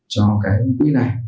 cho quỹ này